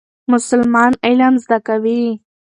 مسلمانان علم زده کوي.